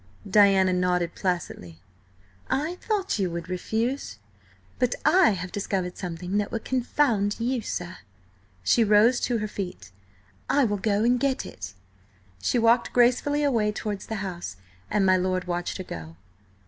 Diana nodded placidly. "I thought you would refuse, but I have discovered something that will confound you, sir!" She rose to her feet. "I will go and get it." She walked gracefully away towards the house, and my lord watched her go.